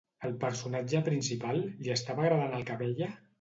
Al personatge principal, li estava agradant el que veia?